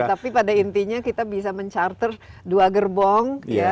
tapi pada intinya kita bisa men charter dua gerbong